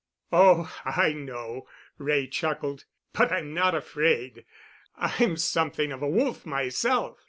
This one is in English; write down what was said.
"Oh, I know," Wray chuckled. "But I'm not afraid. I'm something of a wolf myself.